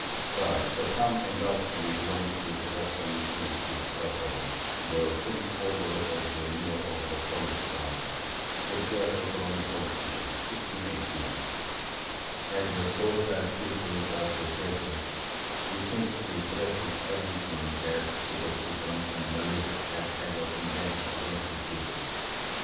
But the palm undoubtedly belongs to Sebastian Michinski, of Cracow, the frenzied author of the "Mirror of the Polish Crown" (Zwierciadlo korony Polskiej, 1618). As a docile pupil of the Jesuits, Michinski collected everything that superstition and malice had ever invented against the Jews.